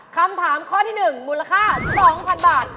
คำถามข้อที่๑มูลค่า๒๐๐๐บาท